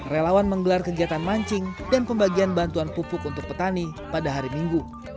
relawan menggelar kegiatan mancing dan pembagian bantuan pupuk untuk petani pada hari minggu